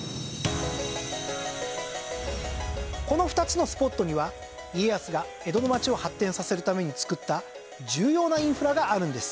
この２つのスポットには家康が江戸の街を発展させるためにつくった重要なインフラがあるんです。